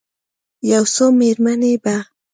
یو څو میرمنې به،